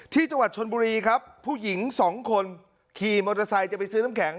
ที่จังหวัดชนบุรีครับผู้หญิงสองคนขี่มอเตอร์ไซค์จะไปซื้อน้ำแข็ง